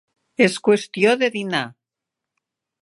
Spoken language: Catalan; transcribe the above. És qüestió de dinar.